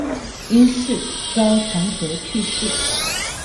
因事遭弹劾去世。